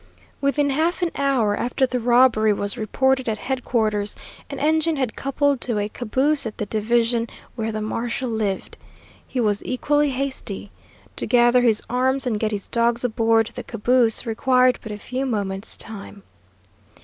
Within half an hour after the robbery was reported at headquarters, an engine had coupled to a caboose at the division where the marshal lived. He was equally hasty. To gather his arms and get his dogs aboard the caboose required but a few moments' time.